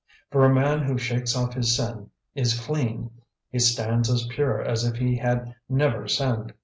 For a man who shakes off his sin is clean; he stands as pure as if he had never sinned.